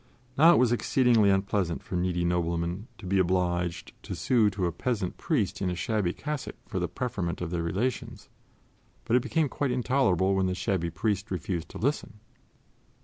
Now, it was exceedingly unpleasant for needy noblemen to be obliged to sue to a peasant priest in a shabby cassock for the preferment of their relations; but it became quite intolerable when the shabby priest refused to listen.